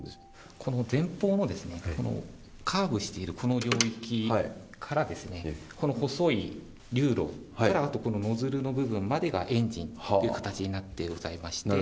この前方の、このカーブしている、この領域から、この細い流路から、このノズルの部分までがエンジンという形になってございまして。